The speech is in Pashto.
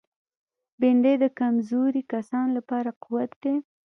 بېنډۍ د کمزوري کسانو لپاره قوت ده